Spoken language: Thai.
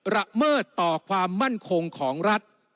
ละเมิดต่อความมั่นคงของรัฐ